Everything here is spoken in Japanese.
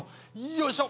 よいしょ！